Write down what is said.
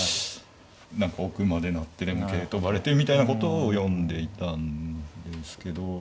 何か奥まで成ってでも桂跳ばれてみたいなことを読んでいたんですけど。